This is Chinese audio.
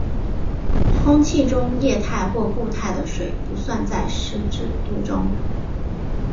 空气中液态或固态的水不算在湿度中。